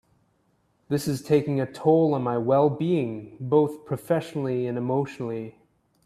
This is taking a toll on my well-being both professionally and emotionally.